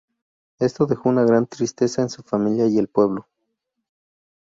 Esto dejó una gran tristeza en su familia y el pueblo.